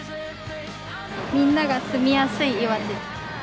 「みんなが住みやすい岩手」。